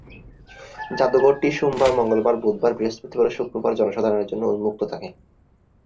জাদুঘরটি সোমবার, মঙ্গলবার, বুধবার, বৃহস্পতিবার ও শুক্রবার জনসাধারণের জন্য উন্মুক্ত থাকে।